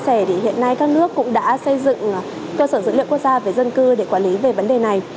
chia sẻ thì hiện nay các nước cũng đã xây dựng cơ sở dữ liệu quốc gia về dân cư để quản lý về vấn đề này